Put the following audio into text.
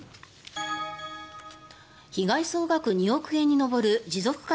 被害総額２億円に上る持続化